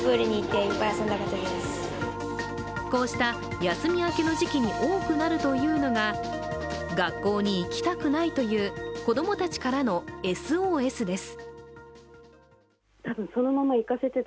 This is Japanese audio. こうした休み明けの時期に多くなるというのが、学校に行きたくないという子供たちからのＳＯＳです。